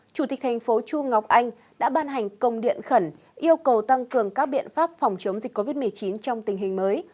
chủ tịch thành phố chu ngọc anh đã ban hành công điện khẩn yêu cầu tăng cường các biện pháp phòng chống dịch covid một mươi chín trong tình hình mới